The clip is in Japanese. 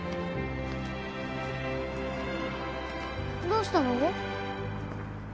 どうしたの？